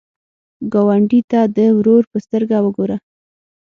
ګاونډي ته د ورور په سترګه وګوره